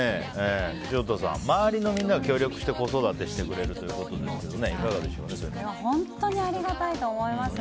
潮田さん周りのみんなが協力して子育てしてくれるということで本当にありがたいと思いますよ。